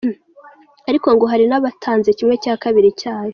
Ariko ngo hari n’abatanze ½ cyayo.